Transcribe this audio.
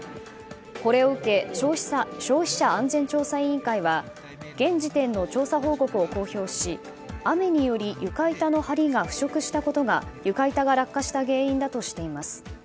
これを受け消費者安全調査委員会は現時点の調査報告を公表し雨により、床板のハリが腐食したことが床板が落下した原因だとしています。